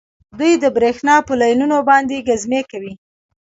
دوی د بریښنا په لینونو باندې ګزمې کوي